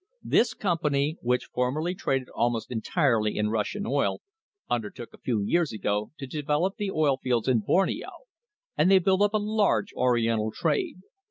This company, which formerly traded almost entirely in Russian oil, undertook a few years ago to develop the oil fields in Borneo, and they built up a large Oriental trade.